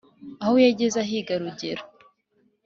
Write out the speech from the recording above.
aho yarageze ahiga rugero;